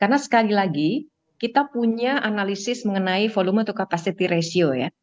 karena sekali lagi kita punya analisis mengenai volume atau capacity ratio ya